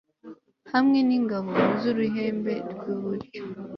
hamwe n'ingabo z'uruhembe rw'iburyo